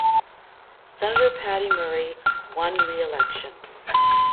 Senator Patty Murray won re-election.